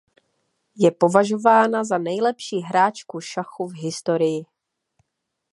Je považována za nejlepší hráčku šachu v historii.